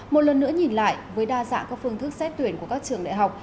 một lần nữa nhìn lại với đa dạng các phương thức xét tuyển của các trường đại học